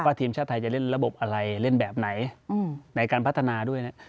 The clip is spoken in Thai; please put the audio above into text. ทีมชาติไทยจะเล่นระบบอะไรเล่นแบบไหนในการพัฒนาด้วยนะ